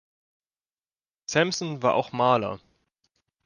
Sampson war auch Maler.